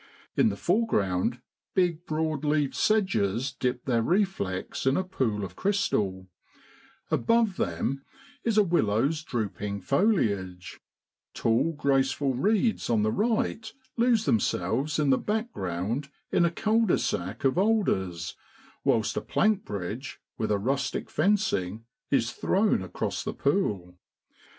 In the foreground big broadleaved sedges dip their reflex in a pool of crystal, above them is a willow's drooping foliage, tall graceful reeds on the right lose themselves in the background in a cul de sac of alders, whilst a plank bridge, with a rustic fencing, is thrown across the pool.